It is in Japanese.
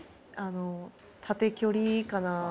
縦距離かな。